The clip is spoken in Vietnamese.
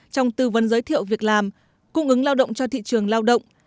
trong tư vấn giới thiệu việc làm cung ứng lao động cho thị trường lao động